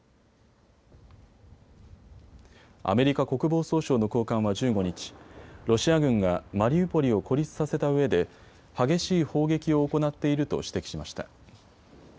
アメリカ国防総省の高官は１５日、ロシア軍がマリウポリを孤立させたうえで激しい砲撃を行っていると指摘しました。